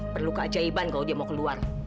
perlu keajaiban kalau dia mau keluar